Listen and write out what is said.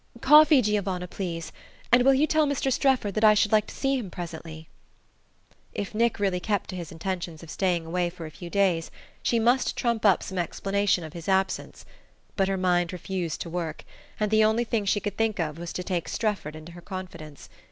"Coffee, Giovanna, please; and will you tell Mr. Strefford that I should like to see him presently." If Nick really kept to his intention of staying away for a few days she must trump up some explanation of his absence; but her mind refused to work, and the only thing she could think of was to take Strefford into her confidence.